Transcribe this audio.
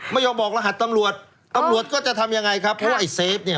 ไม่ยอมบอกรหัสตำรวจตำรวจก็จะทำยังไงครับเพราะว่าไอ้เซฟเนี่ย